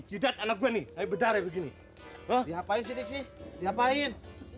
jidat anak gue nih saya bedarnya begini oh ya apa sih ya pakin